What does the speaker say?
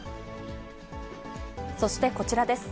そしてこちらです。